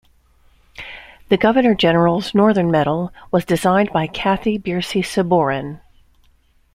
The Governor General's Northern Medal was designed by Cathy Bursey-Sabourin.